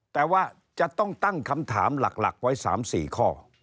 แต่ว่าจะต้องตั้งคำถามหลักไว้๓๔ข้อ